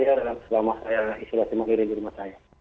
dan selama saya isolasi mengirim di rumah saya